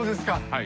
はい。